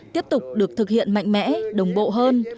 tiếp tục được thực hiện mạnh mẽ đồng bộ hơn